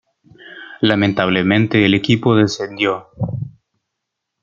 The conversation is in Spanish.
Lamentablemente el equipo descendió.